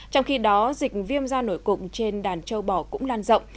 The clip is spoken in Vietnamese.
trong khi đó dịch viêm da nổi cục trên đàn châu bò cũng lan rộng